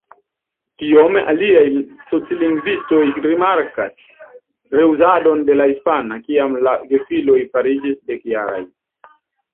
Krome aliaj socilingvistoj rimarkas reuzadon de la hispana, kiam la gefiloj fariĝis dek-jaraj.